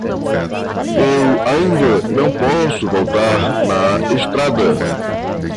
Eu ainda não posso voltar na estrada.